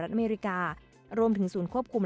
และการบริการผู้โดยสาร๑๒๗๕ราย